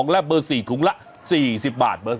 และเบอร์๔ถุงละ๔๐บาท